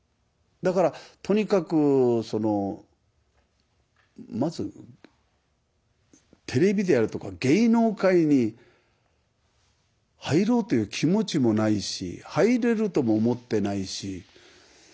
だからとにかくそのまずテレビでやるとか芸能界に入ろうという気持ちもないし入れるとも思ってないし。